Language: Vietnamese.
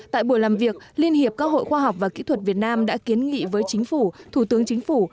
tại buổi làm việc liên hiệp các hội khoa học và kỹ thuật việt nam đã kiến nghị với chính phủ thủ tướng chính phủ